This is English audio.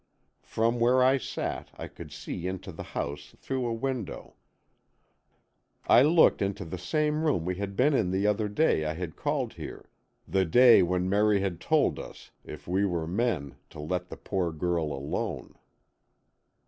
From where I sat, I could see into the house through a window. I looked into the same room we had been in the other day I had called here, the day when Merry had told us if we were men to let the poor girl alone.